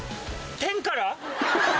天から？